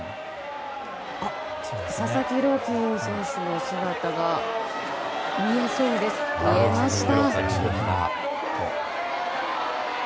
佐々木朗希投手の姿が見えました。